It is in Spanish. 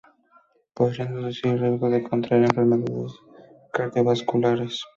Podrían reducir el riesgo de contraer enfermedades cardiovasculares.